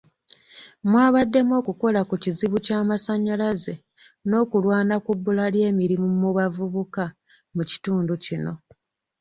Mwabaddemu okukola ku kizibu ky'amasannyalaze n'okulwana ku bbula ly'emirimu mu bavubuka mu kitundu kino.